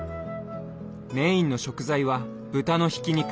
メインの食材は豚のひき肉。